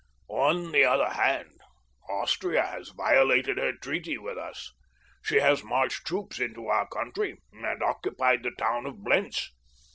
"On the other hand, Austria has violated her treaty with us. She has marched troops into our country and occupied the town of Blentz.